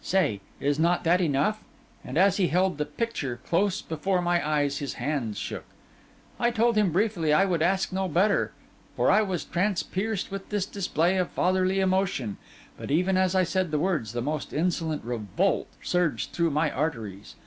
Say, is not that enough?' And as he held the picture close before my eyes, his hands shook. I told him briefly I would ask no better, for I was transpierced with this display of fatherly emotion; but even as I said the words, the most insolent revolt surged through my arteries.